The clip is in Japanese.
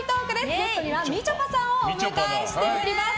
ゲストにはみちょぱさんをお迎えしております。